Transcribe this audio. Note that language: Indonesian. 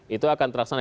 itu akan teraksana